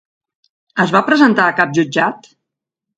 Es va presentar a cap jutjat?